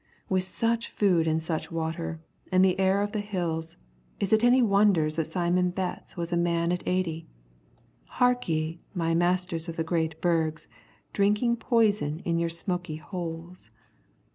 With such food and such water, and the air of the Hills, is it any wonder that Simon Betts was a man at eighty? Hark ye! my masters of the great burgs, drinking poison in your smoky holes.